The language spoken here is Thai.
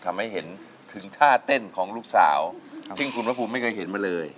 ทำให้เห็นถึงท่าเต้นของลูกสาวซึ่งคุณพระภูมิไม่เคยเห็นมาเลย